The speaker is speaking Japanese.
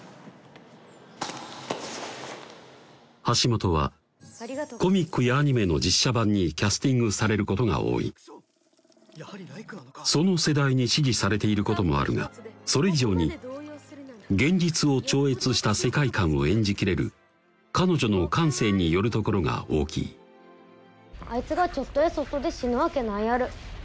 橋本はコミックやアニメの実写版にキャスティングされることが多いその世代に支持されていることもあるがそれ以上に現実を超越した世界観を演じきれる彼女の感性によるところが大きい「あいつがちょっとやそっとで死ぬわけないアル」